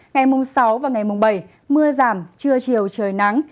ngày sáu và ngày bảy mưa giảm trưa chiều trời nắng